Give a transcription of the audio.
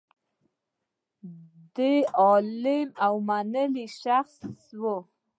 دی عالم او منلی شخص و.